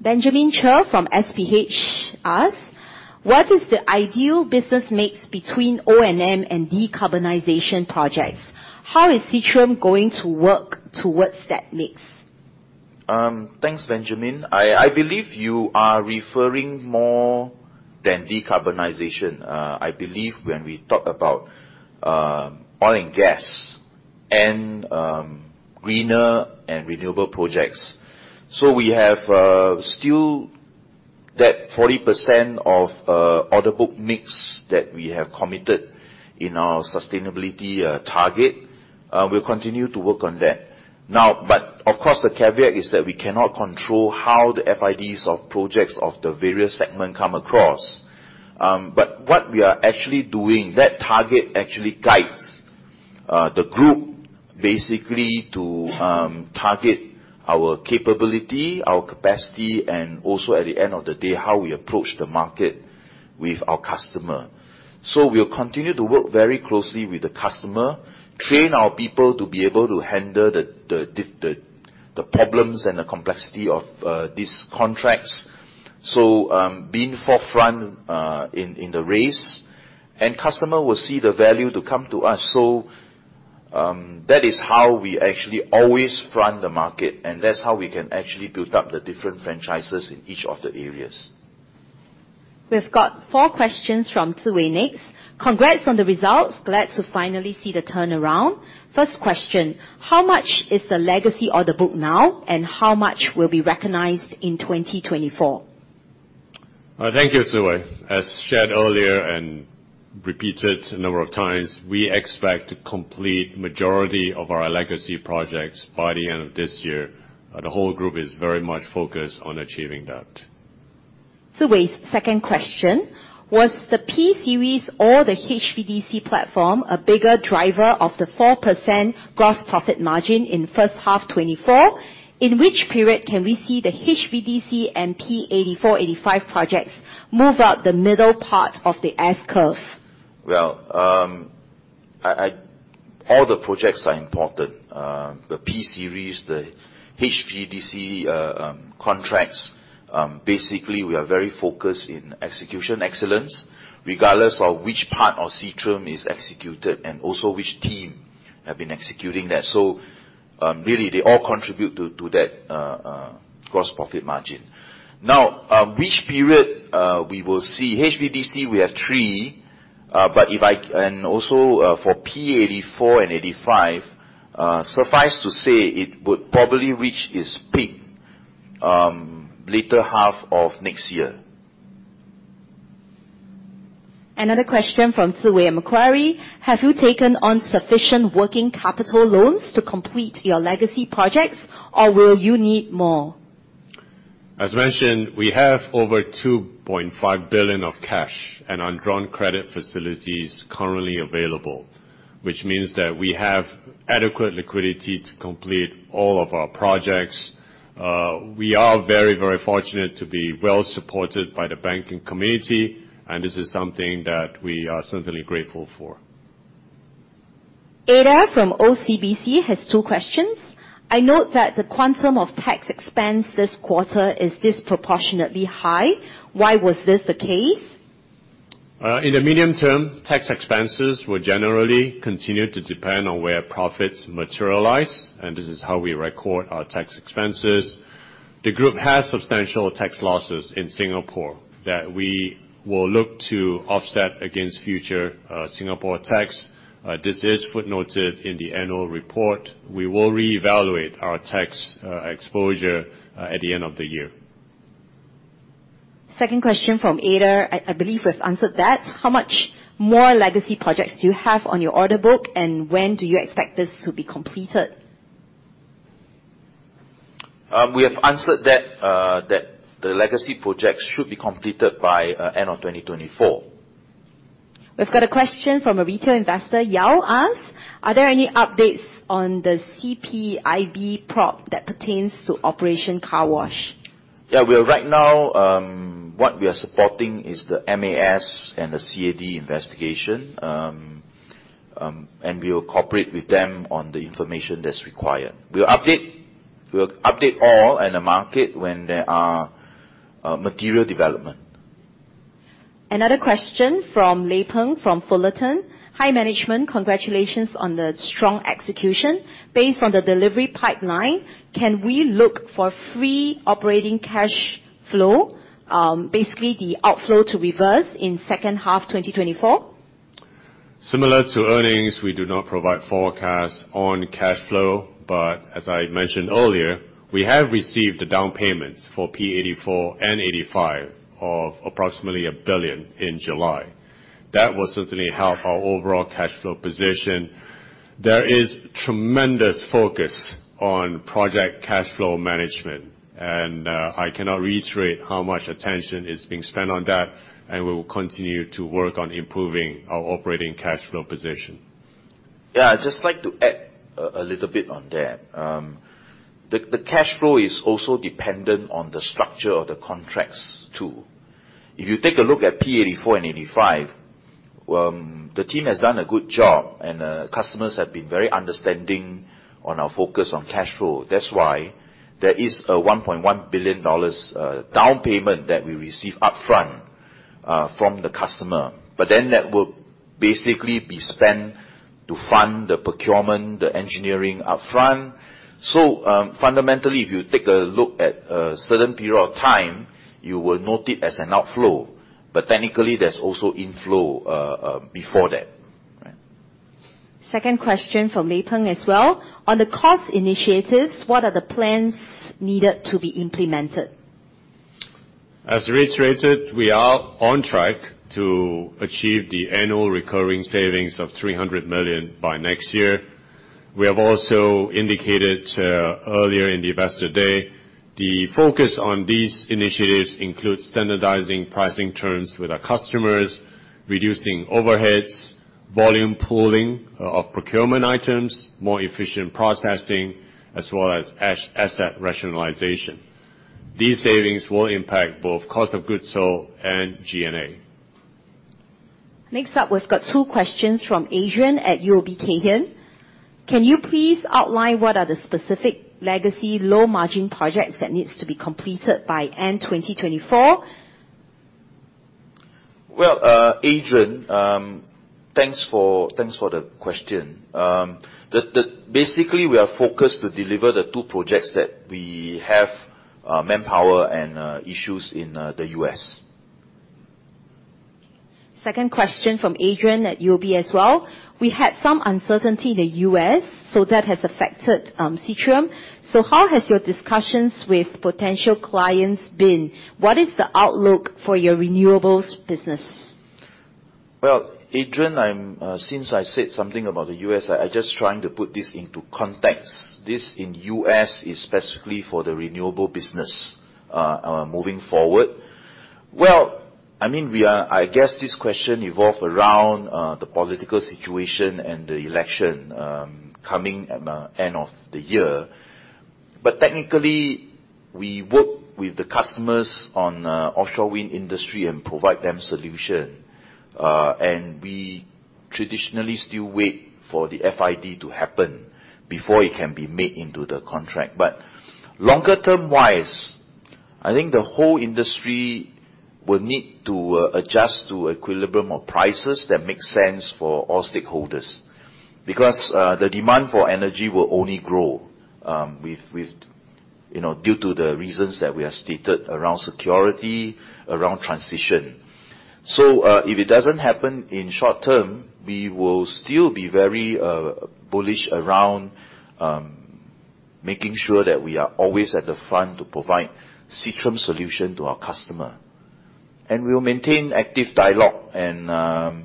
Benjamin Cher from SPH asks, what is the ideal business mix between O&M and decarbonization projects? How is Seatrium going to work towards that mix? Thanks, Benjamin. I believe you are referring more than decarbonization. I believe when we talk about oil and gas and greener and renewable projects. So we have still that 40% of order book mix that we have committed in our sustainability target. We'll continue to work on that. Now, but of course, the caveat is that we cannot control how the FIDs of projects of the various segments come across. But what we are actually doing, that target actually guides the group basically to target our capability, our capacity, and also at the end of the day, how we approach the market with our customer. So we'll continue to work very closely with the customer, train our people to be able to handle the problems and the complexity of these contracts. So being forefront in the race, and customer will see the value to come to us. So that is how we actually always front the market, and that's how we can actually build up the different franchises in each of the areas. We've got four questions from Tsui, NEX. Congrats on the results. Glad to finally see the turnaround. First question. How much is the legacy order book now, and how much will be recognized in 2024? Thank you, Tsui. As shared earlier and repeated a number of times, we expect to complete the majority of our legacy projects by the end of this year. The whole group is very much focused on achieving that. Tsui's second question. Was the P Series or the HVDC platform a bigger driver of the 4% gross profit margin in First Half 2024? In which period can we see the HVDC and P-84 and P-85 projects move up the middle part of the S-curve? Well, all the projects are important. The P Series, the HVDC contracts, basically we are very focused in execution excellence, regardless of which part of Seatrium is executed and also which team have been executing that. So really, they all contribute to that gross profit margin. Now, which period we will see HVDC, we have three, but if I and also for P-84 and P-85, suffice to say it would probably reach its peak later half of next year. Another question from Tsui, Macquarie. Have you taken on sufficient working capital loans to complete your legacy projects, or will you need more? As mentioned, we have over 2.5 billion of cash and undrawn credit facilities currently available, which means that we have adequate liquidity to complete all of our projects. We are very, very fortunate to be well supported by the banking community, and this is something that we are certainly grateful for. Ada from OCBC has two questions. I note that the quantum of tax expense this quarter is disproportionately high. Why was this the case? In the medium term, tax expenses will generally continue to depend on where profits materialize, and this is how we record our tax expenses. The group has substantial tax losses in Singapore that we will look to offset against future Singapore tax. This is footnoted in the annual report. We will reevaluate our tax exposure at the end of the year. Second question from Ada. I believe we've answered that. How much more legacy projects do you have on your order book, and when do you expect this to be completed? We have answered that the legacy projects should be completed by end of 2024. We've got a question from a retail investor, Yao, asks, are there any updates on the CPIB probe that pertains to Operation Car Wash? Yeah, well, right now, what we are supporting is the MAS and the CAD investigation, and we will cooperate with them on the information that's required. We'll update all and the market when there are material developments. Another question from Liu Peng from Fullerton. Hi management, congratulations on the strong execution. Based on the delivery pipeline, can we look for free operating cash flow, basically the outflow to reverse in Second Half 2024? Similar to earnings, we do not provide forecasts on cash flow, but as I mentioned earlier, we have received the down payments for P-84 and 85 of approximately S$1 billion in July. That will certainly help our overall cash flow position. There is tremendous focus on project cash flow management, and I cannot reiterate how much attention is being spent on that, and we will continue to work on improving our operating cash flow position. Yeah, I'd just like to add a little bit on that. The cash flow is also dependent on the structure of the contracts too. If you take a look at P-84 and P-85, the team has done a good job, and customers have been very understanding on our focus on cash flow. That's why there is a 1.1 billion dollars down payment that we receive upfront from the customer. But then that will basically be spent to fund the procurement, the engineering upfront. So fundamentally, if you take a look at a certain period of time, you will note it as an outflow, but technically there's also inflow before that. Second question from Liu Peng as well. On the cost initiatives, what are the plans needed to be implemented? As reiterated, we are on track to achieve the annual recurring savings of 300 million by next year. We have also indicated earlier in the investor day, the focus on these initiatives includes standardizing pricing terms with our customers, reducing overheads, volume pooling of procurement items, more efficient processing, as well as asset rationalization. These savings will impact both cost of goods sold and G&A. Next up, we've got two questions from Adrian at UOB Kay Hian. Can you please outline what are the specific legacy low-margin projects that need to be completed by end 2024? Well, Adrian, thanks for the question. Basically, we are focused to deliver the two projects that we have manpower and issues in the U.S. Second question from Adrian at UOB as well. We had some uncertainty in the U.S., so that has affected Seatrium. So how has your discussions with potential clients been? What is the outlook for your renewables business? Well, Adrian, since I said something about the U.S., I'm just trying to put this into context. This in the U.S. is specifically for the renewable business moving forward. Well, I mean, I guess this question evolved around the political situation and the election coming at the end of the year. But technically, we work with the customers on offshore wind industry and provide them solutions. And we traditionally still wait for the FID to happen before it can be made into the contract. But longer term-wise, I think the whole industry will need to adjust to an equilibrium of prices that makes sense for all stakeholders because the demand for energy will only grow due to the reasons that we have stated around security, around transition. So if it doesn't happen in short term, we will still be very bullish around making sure that we are always at the front to provide Seatrium solutions to our customers. And we will maintain active dialogue, and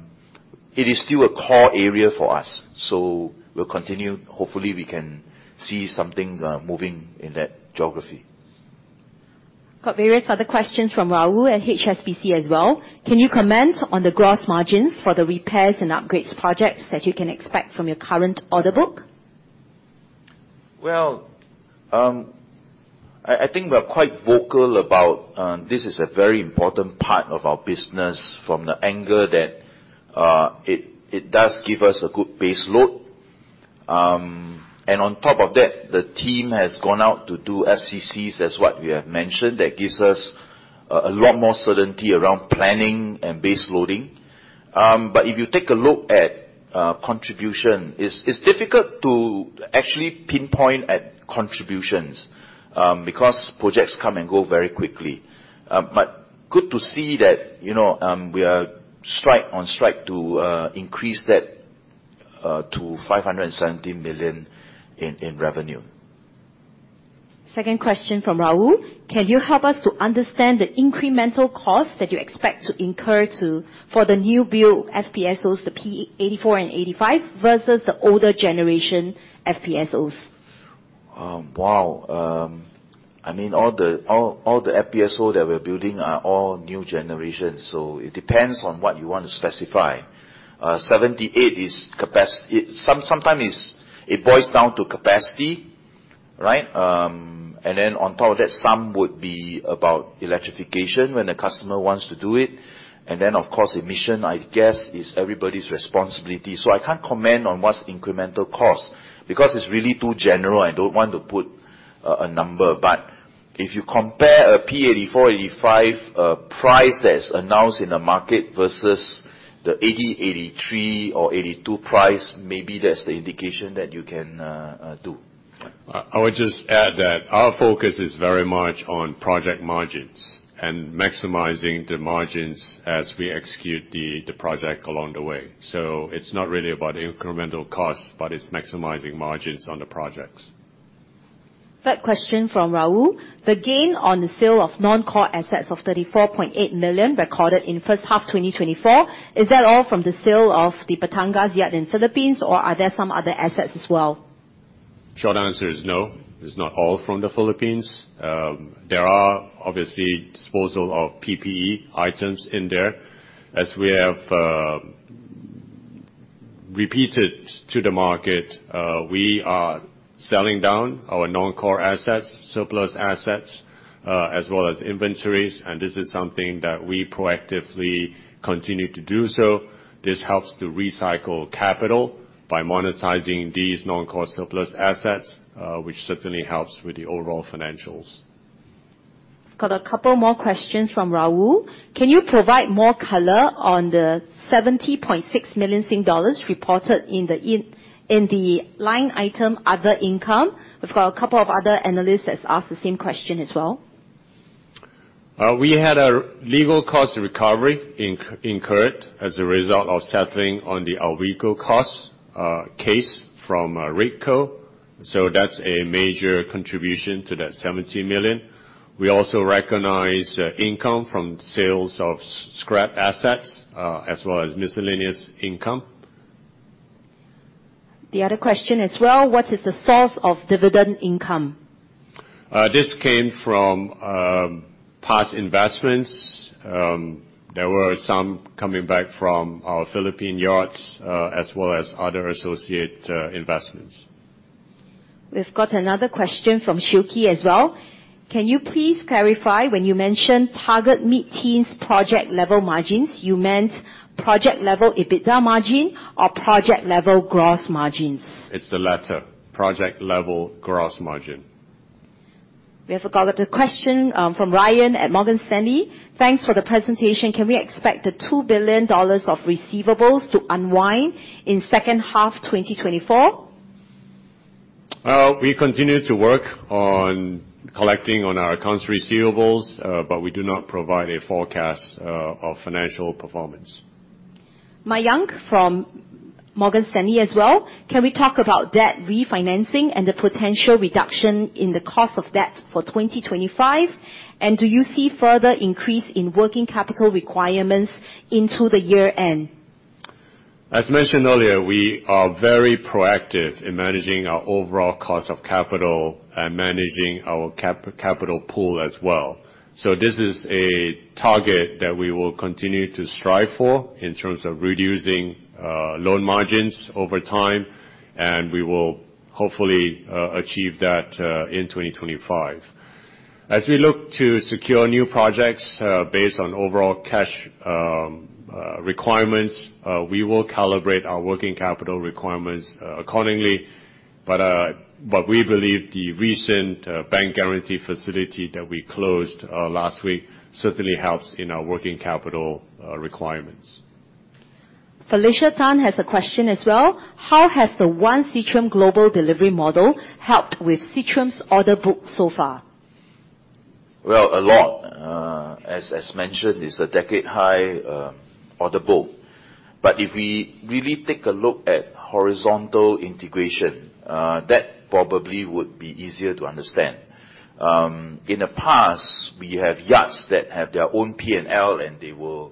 it is still a core area for us. So we'll continue. Hopefully, we can see something moving in that geography. Got various other questions from Rahul at HSBC as well. Can you comment on the gross margins for the repairs and upgrades projects that you can expect from your current order book? Well, I think we are quite vocal about this is a very important part of our business from the angle that it does give us a good base load. And on top of that, the team has gone out to do SCCs, as what we have mentioned, that gives us a lot more certainty around planning and base loading. But if you take a look at contribution, it's difficult to actually pinpoint contributions because projects come and go very quickly. But good to see that we are on track to increase that to 570 million in revenue. Second question from Rahul. Can you help us to understand the incremental costs that you expect to incur for the new build FPSOs, the P-84 and P-85, versus the older generation FPSOs? Wow. I mean, all the FPSOs that we're building are all new generation. So it depends on what you want to specify. Sometimes it boils down to capacity, right? And then on top of that, some would be about electrification when the customer wants to do it. And then, of course, emission, I guess, is everybody's responsibility. So I can't comment on what's incremental cost because it's really too general. I don't want to put a number. But if you compare a P-84, 85 price that is announced in the market versus the P-80, 83 or 82 price, maybe that's the indication that you can do. I would just add that our focus is very much on project margins and maximizing the margins as we execute the project along the way. So it's not really about incremental costs, but it's maximizing margins on the projects. Third question from Rahul. The gain on the sale of non-core assets of S$34.8 million recorded in First Half 2024, is that all from the sale of the Batangas yard in the Philippines, or are there some other assets as well? Short answer is no. It's not all from the Philippines. There are obviously disposal of PPE items in there. As we have repeated to the market, we are selling down our non-core assets, surplus assets, as well as inventories, and this is something that we proactively continue to do. So this helps to recycle capital by monetizing these non-core surplus assets, which certainly helps with the overall financials. We've got a couple more questions from Rahul. Can you provide more color on the 70.6 million Sing dollars reported in the line item other income? We've got a couple of other analysts that asked the same question as well. We had a legal cost recovery incurred as a result of settling on the Awilco cost case from RigCo. So that's a major contribution to that 70 million. We also recognize income from sales of scrap assets as well as miscellaneous income. The other question as well, what is the source of dividend income? This came from past investments. There were some coming back from our Philippine yards as well as other associate investments. We've got another question from Siew Khee as well. Can you please clarify when you mentioned target mid-teens project level margins, you meant project level EBITDA margin or project level gross margins? It's the latter, project level gross margin. We have got a question from Ryan Yen at Morgan Stanley. Thanks for the presentation. Can we expect the 2 billion dollars of receivables to unwind in second half 2024? We continue to work on collecting on our accounts receivables, but we do not provide a forecast of financial performance. Mayank Maheshwari from Morgan Stanley as well. Can we talk about debt refinancing and the potential reduction in the cost of debt for 2025? And do you see further increase in working capital requirements into the year end? As mentioned earlier, we are very proactive in managing our overall cost of capital and managing our capital pool as well. So this is a target that we will continue to strive for in terms of reducing loan margins over time, and we will hopefully achieve that in 2025. As we look to secure new projects based on overall cash requirements, we will calibrate our working capital requirements accordingly. But we believe the recent bank guarantee facility that we closed last week certainly helps in our working capital requirements. Felicia Tan has a question as well. How has the One Seatrium Global Delivery Model helped with Seatrium's order book so far? Well, a lot. As mentioned, it's a decade-high order book. But if we really take a look at horizontal integration, that probably would be easier to understand. In the past, we have yards that have their own P&L, and they will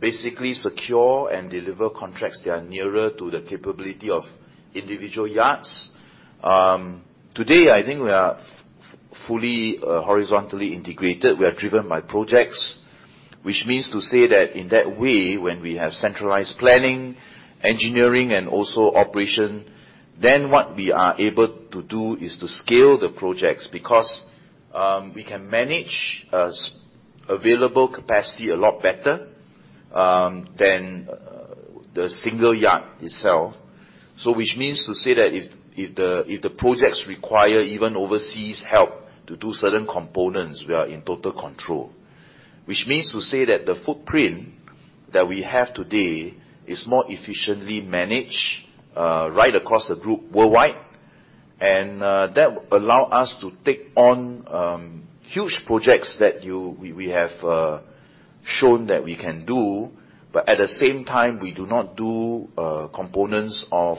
basically secure and deliver contracts that are nearer to the capability of individual yards. Today, I think we are fully horizontally integrated. We are driven by projects, which means to say that in that way, when we have centralized planning, engineering, and also operation, then what we are able to do is to scale the projects because we can manage available capacity a lot better than the single yard itself. Which means to say that if the projects require even overseas help to do certain components, we are in total control. Which means to say that the footprint that we have today is more efficiently managed right across the group worldwide. That will allow us to take on huge projects that we have shown that we can do. But at the same time, we do not do components of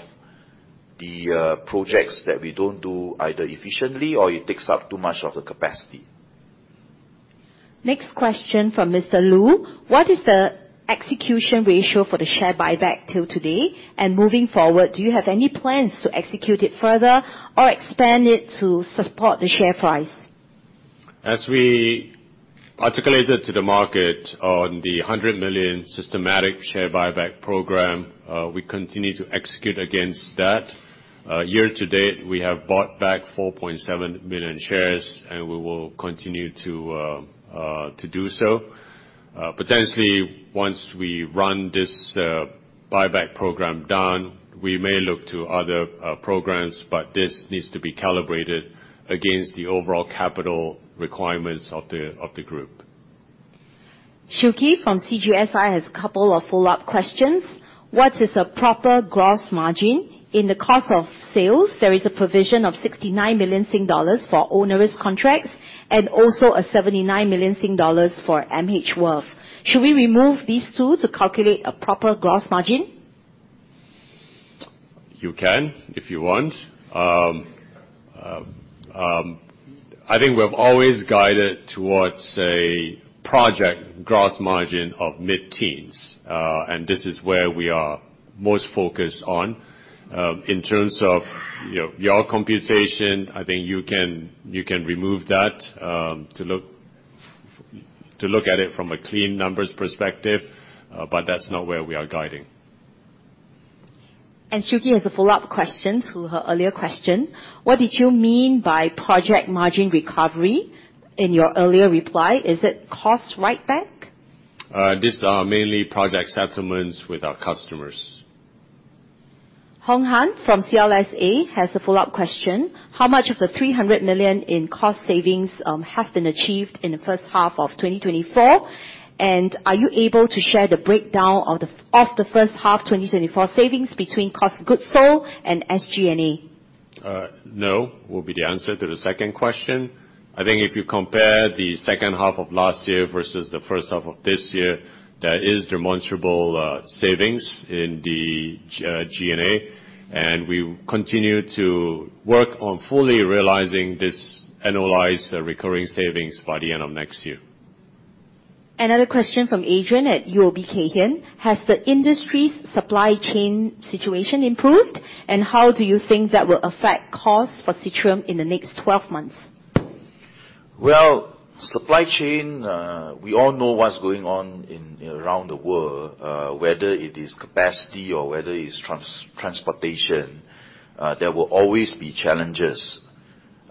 the projects that we don't do either efficiently or it takes up too much of the capacity. Next question from Mr. Lu. What is the execution ratio for the share buyback till today? And moving forward, do you have any plans to execute it further or expand it to support the share price? As we articulated to the market on the 100 million systematic share buyback program, we continue to execute against that. Year to date, we have bought back 4.7 million shares, and we will continue to do so. Potentially, once we run this buyback program down, we may look to other programs, but this needs to be calibrated against the overall capital requirements of the group. Siew Khee from CGSI has a couple of follow-up questions. What is a proper gross margin? In the cost of sales, there is a provision of SGD 69 million for onerous contracts and also SGD 79 million for MHWirth. Should we remove these two to calculate a proper gross margin? You can if you want. I think we've always guided towards a project gross margin of mid-teens, and this is where we are most focused on. In terms of your computation, I think you can remove that to look at it from a clean numbers perspective, but that's not where we are guiding. And Siew Khee has a follow-up question to her earlier question. What did you mean by project margin recovery in your earlier reply? Is it cost write-back? These are mainly project settlements with our customers. Horng Han from CLSA has a follow-up question. How much of the 300 million in cost savings have been achieved in the first half of 2024? Are you able to share the breakdown of the First Half 2024 savings between cost of goods sold and SG&A? No will be the answer to the second question. I think if you compare the Second Half of last year versus the First Half of this year, there is demonstrable savings in the G&A. And we continue to work on fully realizing this annualized recurring savings by the end of next year. Another question from Adrian at UOB Kay Hian. Has the industry's supply chain situation improved? And how do you think that will affect costs for Seatrium in the next 12 months? Well, supply chain, we all know what's going on around the world, whether it is capacity or whether it is transportation, there will always be challenges.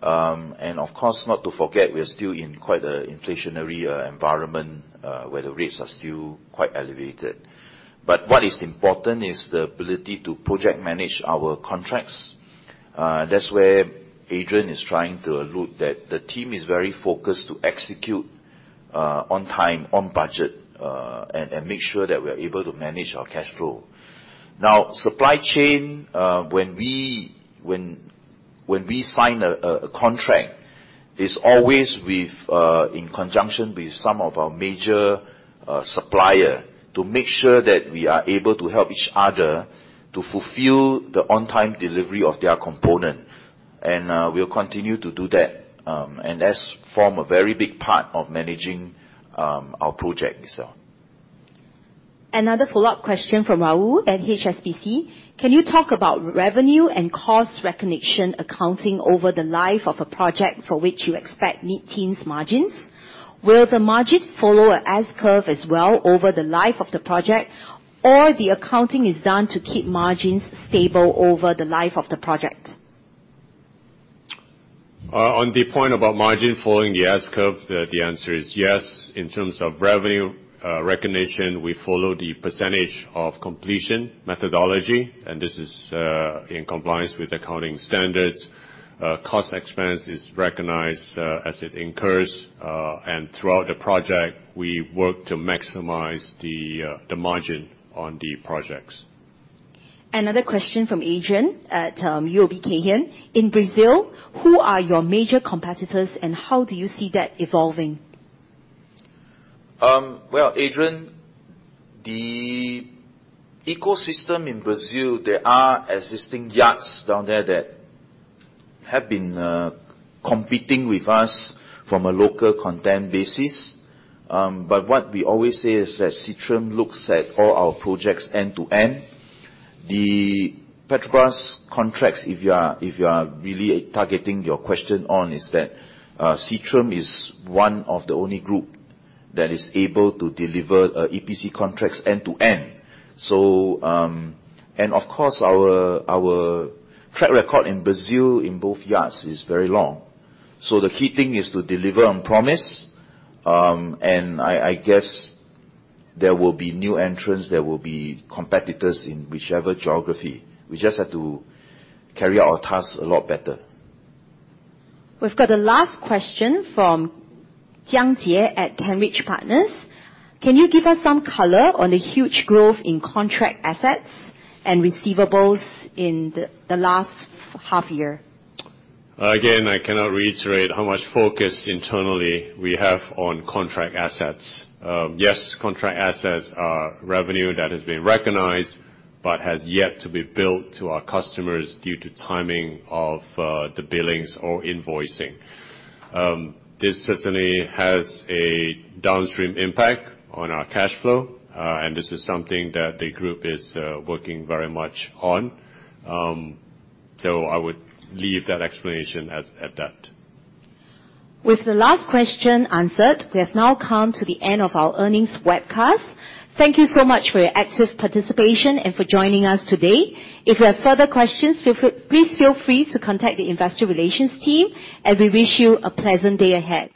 And of course, not to forget, we are still in quite an inflationary environment where the rates are still quite elevated. But what is important is the ability to project manage our contracts. That's where Adrian is trying to allude that the team is very focused to execute on time, on budget, and make sure that we are able to manage our cash flow. Now, supply chain, when we sign a contract, it's always in conjunction with some of our major suppliers to make sure that we are able to help each other to fulfill the on-time delivery of their components. And we'll continue to do that and that's form a very big part of managing our project itself. Another follow-up question from Rahul at HSBC. Can you talk about revenue and cost recognition accounting over the life of a project for which you expect mid-teens margins? Will the margin follow a S-curve as well over the life of the project, or the accounting is done to keep margins stable over the life of the project? On the point about margin following the S-curve, the answer is yes. In terms of revenue recognition, we follow the percentage of completion methodology, and this is in compliance with accounting standards. Cost expense is recognized as it incurs. Throughout the project, we work to maximize the margin on the projects. Another question from Adrian at UOB Kay Hian. In Brazil, who are your major competitors and how do you see that evolving? Well, Adrian, the ecosystem in Brazil, there are existing yards down there that have been competing with us from a local content basis. But what we always say is that Seatrium looks at all our projects end to end. The Petrobras contracts, if you are really targeting your question on, is that Seatrium is one of the only groups that is able to deliver EPC contracts end to end. And of course, our track record in Brazil in both yards is very long. So the key thing is to deliver on promise. And I guess there will be new entrants, there will be competitors in whichever geography. We just have to carry out our tasks a lot better. We've got a last question from Jiang Jie at Cambridge Partners. Can you give us some color on the huge growth in contract assets and receivables in the last half year? Again, I cannot reiterate how much focus internally we have on contract assets. Yes, contract assets are revenue that has been recognized but has yet to be billed to our customers due to timing of the billings or invoicing. This certainly has a downstream impact on our cash flow, and this is something that the group is working very much on. So I would leave that explanation at that. With the last question answered, we have now come to the end of our earnings webcast. Thank you so much for your active participation and for joining us today. If you have further questions, please feel free to contact the investor relations team, and we wish you a pleasant day ahead.